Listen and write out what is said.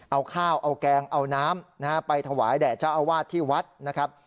เอาข้าวเอาแกงเอาน้ำนะฮะไปถวายแด่เจ้าอาวาสที่วัดนะครับ